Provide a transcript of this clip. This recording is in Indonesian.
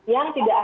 yang tidak ada